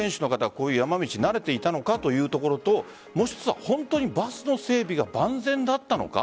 こういう山道に慣れていたのかというところと本当にバスの整備が万全だったのか。